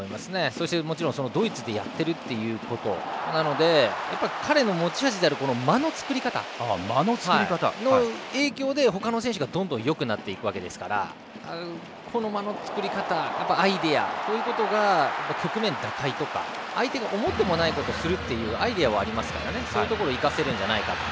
そして、もちろんドイツでやっているということなので彼の持ち味である間の作り方で他の選手がどんどんよくなっていくわけですからこの間の作り方、アイデアが局面打開とか相手が思ってもないことをするというアイデアはありますからそういうところを生かせるんじゃないかと。